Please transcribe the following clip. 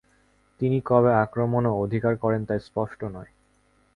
তিনি কবে আক্রমণ ও অধিকার করেন তা স্পষ্ট নয়।